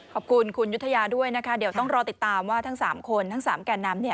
ขอบคุณคุณยุธยาด้วยนะคะเดี๋ยวต้องรอติดตามว่าทั้ง๓คนทั้ง๓แก่นน้ำเนี่ย